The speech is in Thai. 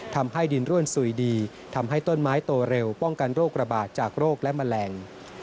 ทำให้ดินร่วนสุยดีทำให้ต้นไม้โตเร็วป้องกันโรคระบาดจากโรคและแมลง